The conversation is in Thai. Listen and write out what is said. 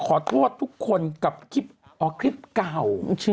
ขอโทษทุกคนกับคลิปเก่า